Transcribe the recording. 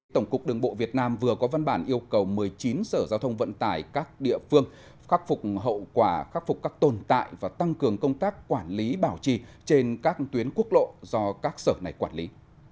tổng cục đường bộ việt nam vừa có văn bản yêu cầu một mươi chín sở giao thông vận tải các địa phương khắc phục hậu quả khắc phục các tồn tại và tăng cường công tác quản lý bảo trì trên các tuyến quốc lộ do các sở này quản lý